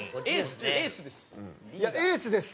エースエースです。